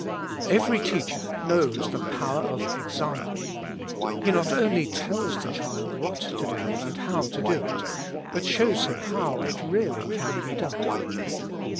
EVERY teacher knows the power of example. He not only tells the child what to do and how to do it, but shows him how it really can be done.